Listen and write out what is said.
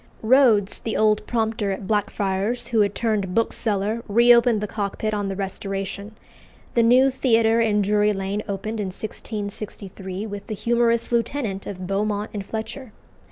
Rhodes, the old prompter at Blackfriars, who had turned bookseller, reopened the Cockpit on the Restoration. The new Theatre in Drury Lane opened in 1663 with the "Humorous Lieutenant" of Beaumont and Fletcher.